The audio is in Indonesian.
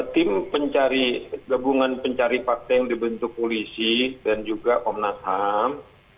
tim pencari gabungan pencari parteng dibentuk polisi dan juga komnas ham